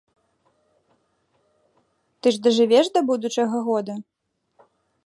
Ты ж дажывеш да будучага года?